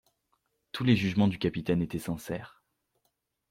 Tous les jugements du capitaine étaient sincères.